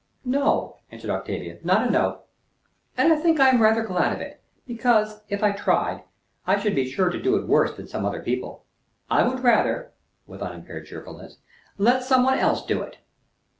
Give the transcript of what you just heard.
"No," answered Octavia. "Not a note. And I think I am rather glad of it; because, if I tried, I should be sure to do it worse than other people. I would rather," with unimpaired cheerfulness, "let some one else do it."